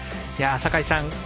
坂井さん